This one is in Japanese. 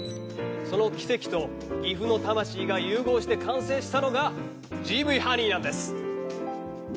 「その奇跡と岐阜の魂が融合して完成したのがＧＶハニーなんです」